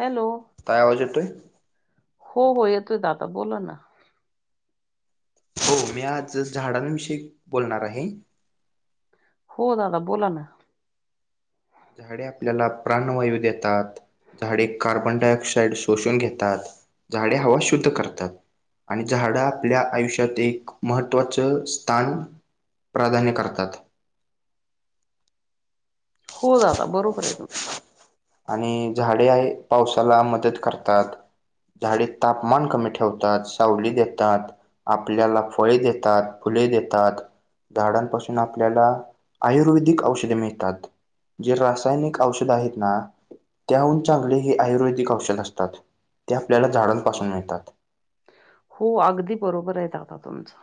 Hello काय आवाज येतोय. हो हो येतोय दादा बोला ना. हो मी आज झाडांविषयी बोलणार आहे. हो दादा बोला ना. झाडे आपल्याला प्राणवायू देतात. झाडे कार्बन डाय ऑक्साइड शोषून घेतात झाडे हवा शुद्ध करतात. आणि झाडं आपल्या आयुष्यात एक महत्त्वाचं स्थान प्राधान्य करतात. हो दादा बरोबर आहे तुम आणि झाडे आहे पावसाला मदत करतात. झाडे तापमान कमी ठेवतात सावली देतात. आपल्याला फळे देतात फुले देतात. झाडांपासून आपल्याला आयुर्वेदिक औषधे मिळतात. जी रासायनिक औषध आहेत ना. त्याहून चांगले हे आयुर्वेदिक औषध असतात ते आपल्याला झाडांपासून मिळतात. हो अगदी बरोबर आहे दादा तुमचं.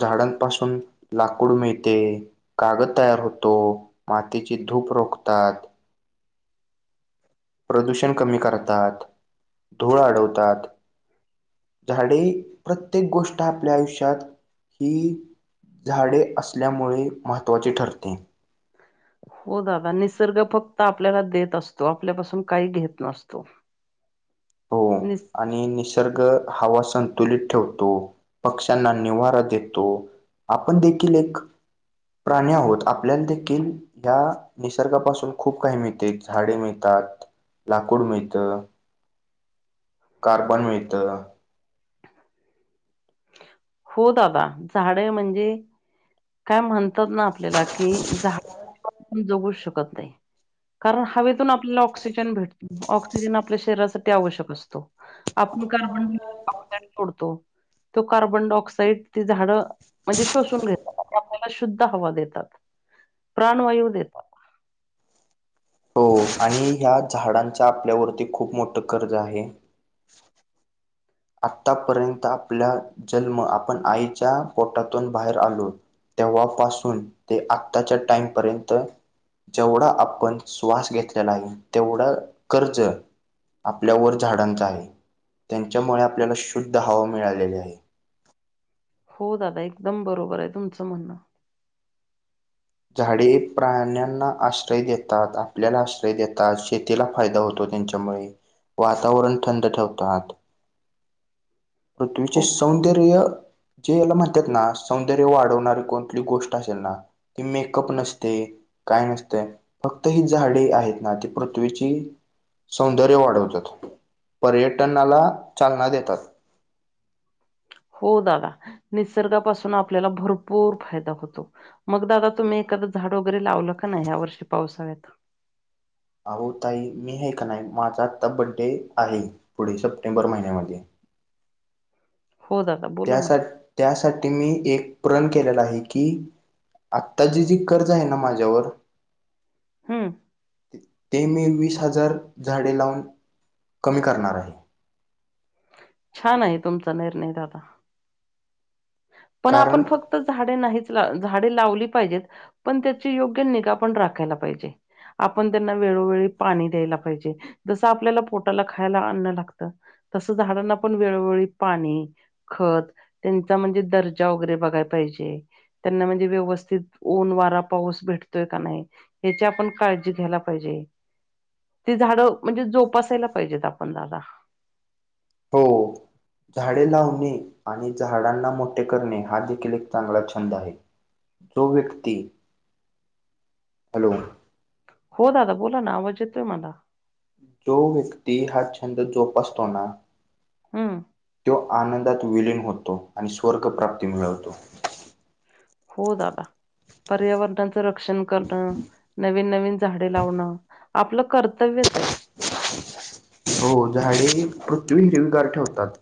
झाडांपासून लाकूड मिळते. कागद तयार होतो मातीची धूप रोखतात. प्रदूषण कमी करतात, धूळ अडवतात. झाडे प्रत्येक गोष्ट आपल्या आयुष्यात हि झाडे असल्यामुळे महत्त्वाचे ठरते. हो दादा निसर्ग फक्त आपल्याला देत असतो आपल्यापासून काही घेत नसतो. हो नि आणि निसर्ग हवा संतुलित ठेवतो. पक्ष्यांना निवारा देतो. आपण देखील एक प्राणी आहोत, आपल्याला देखील ह्या निसर्गापासून खूप काही मिळते झाडे मिळतात, लाकूड मिळतं. कार्बन मिळत. हो दादा झाडे म्हणजे. काय म्हणतात ना आपल्याला कि झाड [inaudible] जगू शकत नाही. कारण हवेतून आपल्याला ऑक्सिजन भेटतो ऑक्सिजन आपल्या शरीरासाठी आवश्यक असतो. आपण कार्बन [inaudible] सोडतो तो कार्बनडयक् साईड ती झाड म्हणजे शोषून घेत आपल्याला शुद्ध हवा देतात प्राणवायू देतात. हो आणि ह्या झाडांच्या आपल्यावरती खूप मोठं कर्ज आहे. आतापर्यंत आपला जल्म आपण आईच्या पोटातून बाहेर आलो तेव्हापासून ते आत्ताच्या टाइमपर्यंत जेवढा आपण श्वास घेतलेला आहे तेवढ कर्ज आपल्या वर झाडांच आहे. च्यामुळे आपल्याला शुद्ध हवा मिळालेली आहे. हो दादा एकदम बरोबर आहे तुमचं म्हणणं. झाडे प्राण्यांना आश्रय देतात आपल्याला आश्रय देतात शे तीला फायदा होतो त्यांच्यामुळे वातावरण थंड ठेवतात. पृथ्वीचे हो सौंदर्य जे याला म्हणतात ना सौंदर्य वाढवणारी कोणली गोष्ट असेल ना ती मेकअप नसते काय नसतय फक्त ही झाडे आहेत ना ती पृथ्वीची सौंदर्य वाढवतात पर्यटनाला चालना देतात. हो दादा निसर्गापासून आपल्याला भरपूर फायदा होतो. मग दादा तुम्ही एखाद झाड वगैरे लावलं का नाही या वर्षी पावसाळ्यात. अहो ताई मी हे का नाही माझा आत्ता बड्डे आहे पुढे सप्टेंबर महिन्यामध्ये हो दा त्यासाठ त्यासाठी मी एक प्रण केलेला आहे की आत्ताची जी कर्ज आहे ना माझ्यावर हम्म. ते मी वीस हजार झाडे लावून कमी करणार आहे. छान आहे तुमचा निर्णय दादा. पण आपण कारण फक त झाडे नाहीच झाडे लावली पाहिजेत पण त्याची योग्य निगा पण राखायला पाहिजे. आपण त्यांना वेळोवेळी पाणी द्यायला पाहिजे जसं आपल्याला पोटाला खायला अन्न लागतं. तसं झाडांना पण वेळोवेळी पाणी, खत त म्हणजे दर्जा वगैरे बघाय पाहिजे. त्यांना म्हणजे व्यवस्थित ऊन, वारा, पाऊस भेटतोय का नाही. हेची आपण काळजी घ्यायला पाहिजे ती झाडं म्हणजे जोपसायला पाहिजेत आपण दादा. हो. झाडे लावणे आणि झाडांना मोठे करणे हा देखील एक चांगला छंद आहे. जो व्यक्ती हॅलो. हो दादा बोला नावज येतोय मला. जो व्यक्ती हा छंद जोपासतोना हम्म. तो आनंदात विलन होतो आणि स्वर्ग प्राप्ती मिळवतो. हो दादा पर्यावरणाचं रक्षण करणं नवीन नवीन झाडे लावणं आपलं कर्तव्यच आहे. हो झाडे ही पृथ्वी हिरवीगार ठेवतात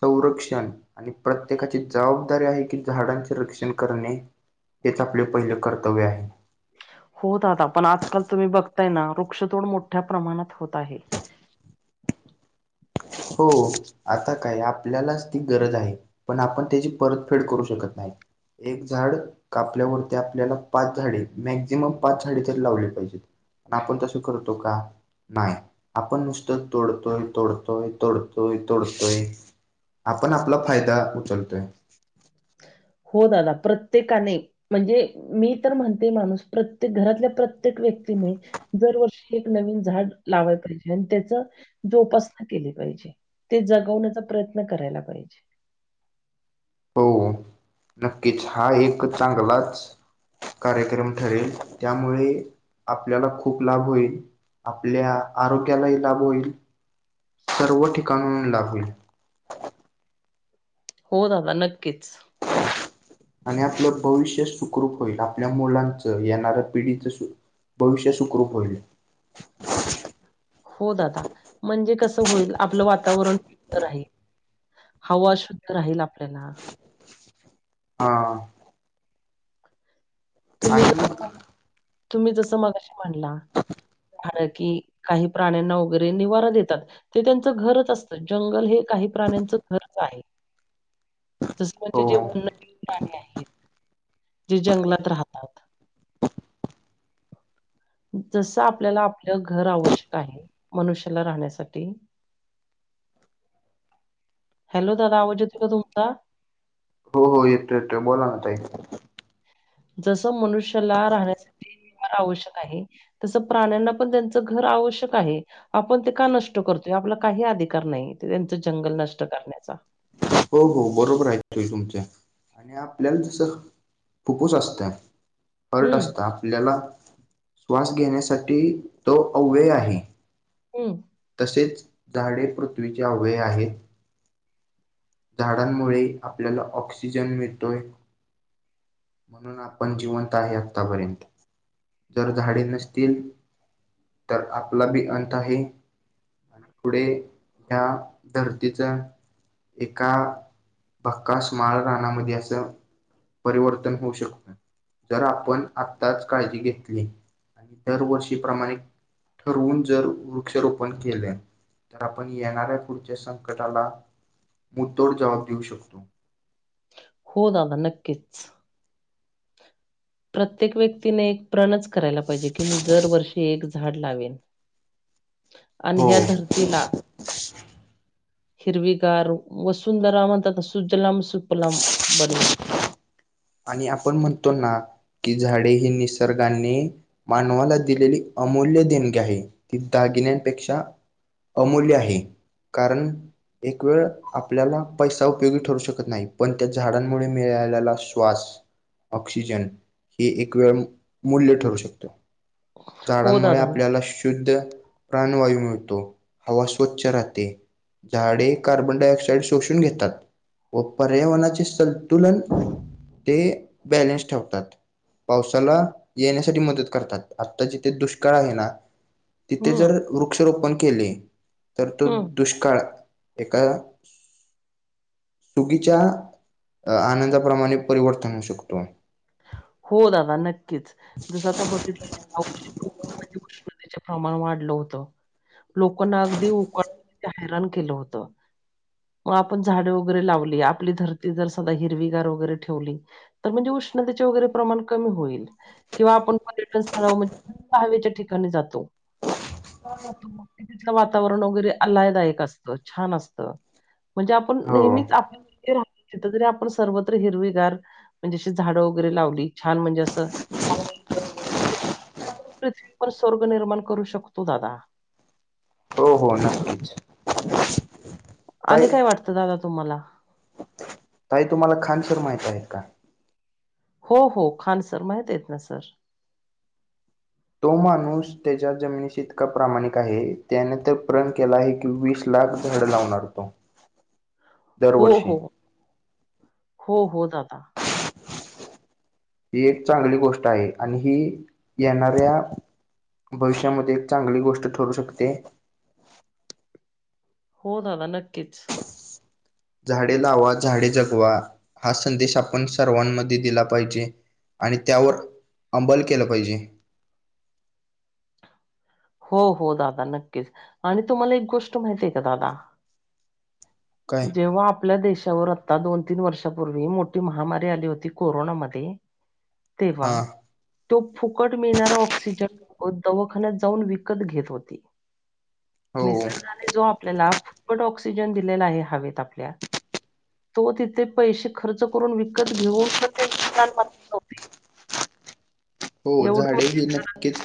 संरक्षण. आणि प्रत्येकाची जबाबदारी आहे की झाडांचे रक्षण करणे. तेच आपले पहिले कर्तव्य आहे. हो दादा पण आजकाल तुम्ही बघताय ना वृक्षतोड मोठ्या प्रमाणात होत आहे. हो आता काय आपल्यालाच ती गरज आहे. पण आपण त्याची परत फेड करू शकत नाही एक झाड. कापल्यावरती आपल्याला पाच झाडे मॅक्झिमम पाच झाडे तरी लावली पाहिजेत. आपण तसं करतो का नाही आपण नुसतं तोडतोय तोडतोय. तोडतोय तोडतोय आपण आपला फायदा उचलतोय. हो दादा प्रत्येकाने, म्हणजे मी तर म्हणते माणूस प्रत्येक घरातल्या प्रत्येक व्यक्तीने. दरवर्षी एक नवीन झाड लावाय पाहिजे आणि त्याच जोपासना केली पाहिजे. ते जगवण्याचा प्रयत्न करायला पाहिजे, हो नक्कीच हा एक चांगलाच. कार्यक्रम ठरेल त्यामुळे आपल्याला खूप लाभ होईल. आपल्या आरोग्यालाही लाभ होईल सर्व ठिकाण लाभ होईल. हो दादा नक्कीच, आणि आपलं भविष्य सुखरूप होईल आपल्या मुलांचं येणाऱ्या पिढीचं सु ''--'' भविष्य सुखरूप होईले. हो दादा म्हणजे कसं होईल आपलं वातावरण. राहील हवा शुद्ध राहील आपल्याला. हा, तुम्ही आणि मग, जसं तुम्ही जसं मगाशी म्हणला की काही प्राण्यांना वगैरे निवारा देतात. ते त्यांचं घरच असतं जंगल हे काही प्राण्यांचं घरच आहे. जस म्हणजे हो जे उन्न प्राणी आहेत जे जंगलात राहतात. जस आपल्याला आपलं घर आवश्यक आहे मनुष्याला राहण्यासाठी. [inaudible] हॅलो दादा आवाज येतो का तुमचा? हो हो येतो येतो बोला ना ताई. जस मनुष्याला राहण्यासाठी निवार आवश्यक आहे. तसं प्राण्यांना पण त्यांचं घर आवश्यक आहे. आपण ते का नष्ट करतोय आपला काही अधिकार नाही त्यांचं जंगल नष्ट करण्याचा. हो हो, बरोबर आहे ताई तुमचा आणि आपल्याला जस, फुफूस असतं हर्ट हं, असत आपल्याला. श्वास घेण्यासाठी तो अव्यय आहे, हम्म, तसेच झाडे पृथ्वीच्या अव्यय आहे. झाडांमुळे आपल्याला ऑक्सिजन मिळतोय, म्हणून आपण जिवंत आहे आत्तापर्यंत. जर झाडे नसतील तर आपला बी अंत आहे. पुढे ह्या धर्तीचा. एका भक्काश माळ रानामध्ये असं, परिवर्तन होऊ शकत जर आपण आत्ताच काळजी घेतली. दरवर्षी प्रामाणिक ठरवून जर वृक्षारोपण केलं, तर आपण येणाऱ्या पुढच्या संकटाला मुतोड जवाब देऊ शकतो. हो, दादा, नक्कीच. प्रत्येक व्यक्तीने एक प्रणच करायला पाहिजे की, मी जरवर्षी एक झाड लावेन. आणि हो ह्या धरतीला हिरवीगार वस. सुंदरा म्हणतात, सुजलाम-सुपलाम बनवूयात. आणि आपण म्हणतो ना की, झाडे ही निसर्गाने मानवाला दिलेली अमूल्य देणगी आहे. ती दागिन्यांपेक्षा अमूल्य आहे, कारण एक वेळ आप आपल्याला पैसा उपयोगी ठरू शकत नाही, पण त्या झाडांमुळे मिळालेला श्वास ऑक्सिजन हे एक वेळ मूल्य ठरू शकतो. हो झाडांमुळे दादा आपल्याला नक्की. शुद्ध प्राणवायू मिळतो, हवा स्वच्छ राहते. झाडे कार्बन डायऑक्साइड ते शोषून घेतात. व पर्यावरणाचे संतुलन ते बॅलेन्स ठेवतात. पावसाला येण्यासाठी मदत करतात, आता जिथे दुष्काळ आहे ना. तिथे जर हं, वृक्षरोपण केले, तर तो हं. दुष्काळ एका चुकीच्या आनंदाप्रमाणे परिवर्तन होऊ शकतो. हो, दादा, नक्कीच. जसं आता बघितलं उष्णतेचे प्रमाण वाढलं होतं. लोकांना अगदी उकाड्याने हैराण केलं होत. मग आपण झाडे वगैरे लावली आपली धरती जर सदा हिरवीगार वगैरे ठेवली. तर म्हणजे उष्णतेचे वगैरे प्रमाण कमी होईल. किंवा आपण पर्यटन स्थळ म्हणजे थंड हवेच्या ठिकाणी जातो. तीतलं वातावरण वगैरे अल्लायदायक असतं, छान असतं. म्हणजे आपण हो नेहमीच आप राहतो तिथे जरी आपण सर्वत्र हिरवीगार म्हणजे अशी झाडं वगैरे लावली, छान म्हणजे असं [unintelligible] पृथ्वी पण स्वर्ग निर्माण करू शकतो, दादा. हो-हो, नक्कीच. ताई आणि काय वाटतं, दादा, तुम्हाला? ताई तुम्हाला खान सर माहित आहेत का? हो-हो, खान सर माहित आहेत ना, सर? तो माणूस त्याच्या जमिनीशी इतका प्रामाणिक आहे. त्याने तर प्रण केला आहे. वीस लाख झाड लावणार तो दरवर्षी. हो-हो, दादा. [unintelligible] ही एक चांगली गोष्ट आहे आणि ही येणाऱ्या भविष्यामध्ये एक चांगली गोष्ट ठरू शकते. हो, दादा, नक्कीच. झाडे लावा, झाडे जगवा. हा संदेश आपण सर्वांमध्ये दिला पाहिजे. आणि त्यावर अंमल केलं पाहिजे. हो-हो, दादा, नक्कीच आणि तुम्हाला एक गोष्ट माहिती आहे का, दादा? काय जेव्हा आप आपल्या देशावर आता दोन-तीन वर्षापूर्वी मोठी महामारी आली होती कोरोनामध्ये. तेव्हा, हा तो फुकट मिळणारा ऑक्सिजन दवाखान्यात जाऊन जाऊन विकत घेत होती. हो निसर्गाने जो आपल्याला फुकट ऑक्स ऑक्सिजन दिलेला आहे हवेत आपल्या. तो तिथे पैसे खर्च करून, विकत घेऊन पण त्यांचे प्राण वाचत नव्हते. हो, एवढं झाडे म्हणजे ही नक्कीच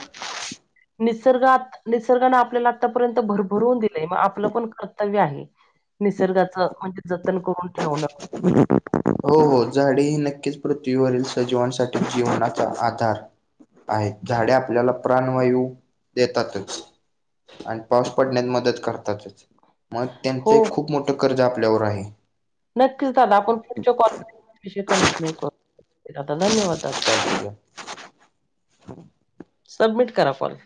निसर्गात, निसर्गाने आपल्याला आतापर्यंत भरभरवून दिलंय, मग आपलं पण कर्तव्य आहे. निसर्गाच म्हणजे जतन करून ठेवण. उफ फ फ फ् हो हो, झाडे ही नक्कीचं पृथ्वीवरील सजीवांसाठी जीवनाचा आधार आहेत, झाडे आपल्याला प्राणवायू देतातच. आणि पाऊस पडण्यात मदत करतातचं, मग त्यांच हो एक हो खूप मोठं कर्ज आपल्यावर आहे. नक्कीच दादा आपण पुढच्या कॉलवर विषय कंटिन्यू करू दादा, धन्यवाद दादा. हो.. सबमिट करा कॉल.